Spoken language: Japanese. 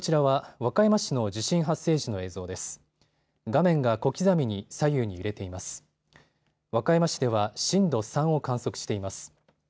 和歌山市では震度３を観測しています。